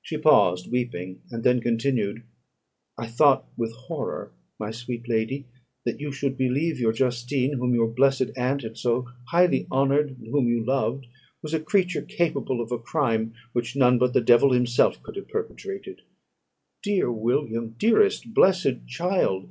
She paused, weeping, and then continued "I thought with horror, my sweet lady, that you should believe your Justine, whom your blessed aunt had so highly honoured, and whom you loved, was a creature capable of a crime which none but the devil himself could have perpetrated. Dear William! dearest blessed child!